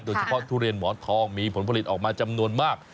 ทุเรียนหมอนทองมีผลผลิตออกมาจำนวนมาก